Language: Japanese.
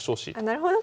なるほど。